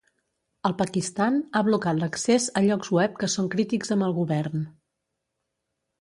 El Pakistan ha blocat l'accés a llocs web que són crítics amb el govern.